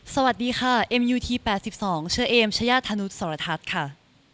สวัสดีค่ะเอ็มยูทีแปดสิบสองเชยเอ็มชยาททนุธสรททค่ะ